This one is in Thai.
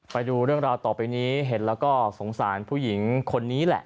ไปดูเรื่องราวต่อไปนี้เห็นแล้วก็สงสารผู้หญิงคนนี้แหละ